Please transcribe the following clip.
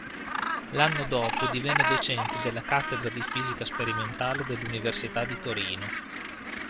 L'anno dopo divenne docente della cattedra di fisica sperimentale dell'Università di Torino.